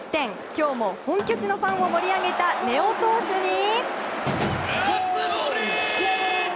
今日も本拠地のファンを盛り上げた根尾投手に。